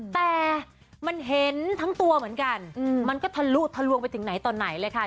แต่มันเห็นทั้งตัวเหมือนกันมันก็ทะลุทะลวงไปถึงไหนต่อไหนเลยค่ะ